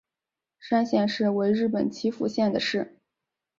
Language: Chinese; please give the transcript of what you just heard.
山县市为日本岐阜县的市。